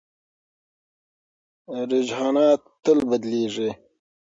رجحانات تل بدلېږي.